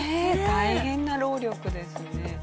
大変な労力ですね。